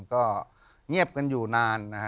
ก็เงียบกันอยู่นานนะฮะ